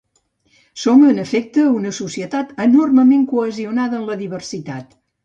Som, en efecte, una societat enormement cohesionada en la diversitat.